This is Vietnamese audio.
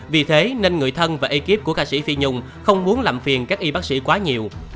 vì thế nên người thân và ekip của ca sĩ phi nhung không muốn làm phiền các y bác sĩ quá nhiều